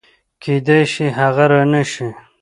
کېدای شي هغه رانشي